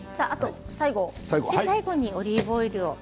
最後にオリーブオイルを。